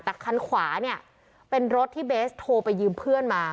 แต่คันขวาเนี่ยเป็นรถที่เบสโทรไปยืมเพื่อนมา